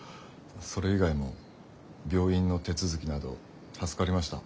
それ以外も病院の手続きなど助かりました。